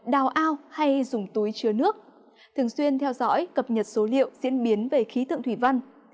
đào ao hay dùng túi chứa nước thường xuyên theo dõi cập nhật số liệu diễn biến về khí tượng thủy văn